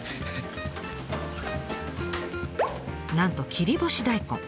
なんと切り干し大根。